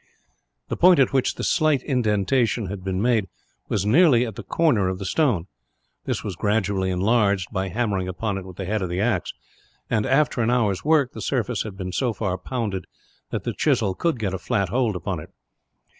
The point at which the slight indentation had been made was nearly at the corner of the stone. This was gradually enlarged, by hammering upon it with the head of the axe and, after an hour's work, the surface had been so far pounded that the chisel could get a flat hold upon it.